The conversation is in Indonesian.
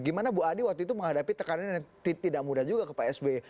gimana bu adi waktu itu menghadapi tekanan yang tidak mudah juga ke pak sby